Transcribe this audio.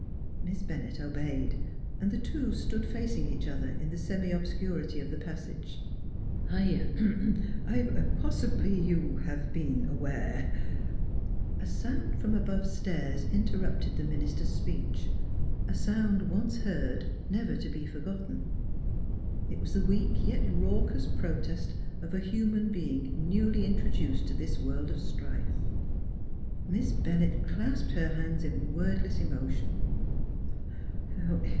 " Miss Bennett obeyed; and the two stood facing each other in the semi obscurity of the passage. " I er possibly you have been aware " A sound from above stairs interrupted the min ister's speech: a sound once heard never to be forgotten. It was the weak yet raucous protest of a human being newly introduced to this world of strife. Miss Bennett clasped her hands in wordless emotion.